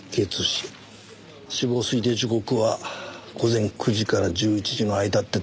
死亡推定時刻は午前９時から１１時の間ってとこかな。